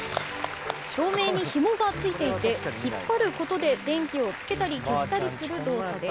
照明にひもが付いていて引っ張ることで電気をつけたり消したりする動作。